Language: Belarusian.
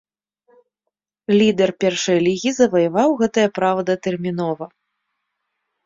Лідар першай лігі заваяваў гэтае права датэрмінова.